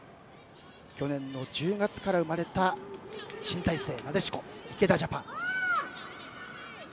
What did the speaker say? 去年の１０月から生まれた新体制、なでしこ池田ジャパン。